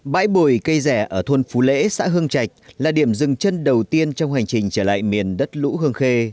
bãi bồi cây rẻ ở thôn phú lễ xã hương trạch là điểm dừng chân đầu tiên trong hành trình trở lại miền đất lũ hương khê